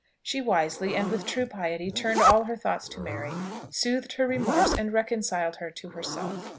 She wisely and with true piety turned all her thoughts to Mary, soothed her remorse, and reconciled her to herself.